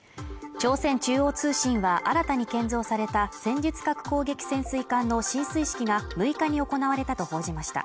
朝鮮中央通信は新たに建造された戦術核攻撃潜水艦の進水式が６日に行われたと報じました